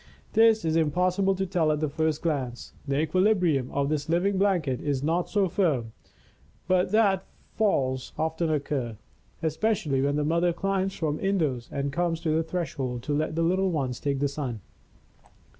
Tis impossible to tell at the first glance. The equilibrium of this living blanket is not so firm but that falls often occur, especially when the mother climbs from indoors and comes to the threshold to let the little ones take the sun.